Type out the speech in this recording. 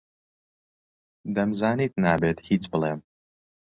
دەمزانی نابێت هیچ بڵێم.